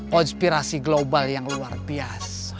konspirasi global yang luar biasa